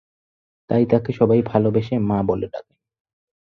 তাই তাকে সবাই ভালবেসে মা বলে ডাকেন।